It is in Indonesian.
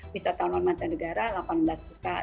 pisa tahun mancanegara delapan belas juta